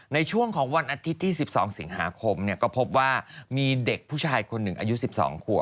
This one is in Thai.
ในช่วงของวันอาทิตย์ที่๑๒สิงหาคมก็พบว่ามีเด็กผู้ชายคนหนึ่งอายุ๑๒ขัว